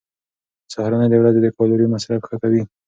سهارنۍ د ورځې د کالوري مصرف ښه کوي.